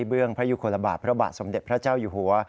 พระยุคลบาทพระบาทสมเด็จพระเจ้าอยู่หัว